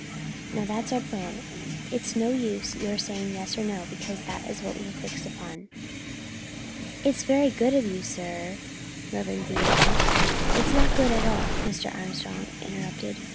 Now that's our plan. It's no use your saying yes or no, because that's what we have fixed upon." "It's very good of you, sir " Mervyn began. "It's not good at all," Mr. Armstrong interrupted.